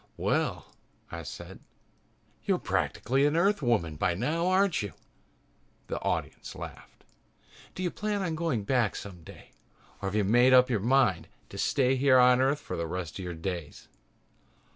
"Well," I said, "you're practically an Earthwoman by now, aren't you?" The audience laughed. "Do you plan on going back someday or have you made up your mind to stay here on Earth for the rest of your days?"